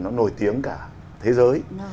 nó nổi tiếng cả thế giới